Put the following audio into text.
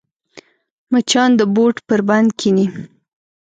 مچان د بوټ پر بند کښېني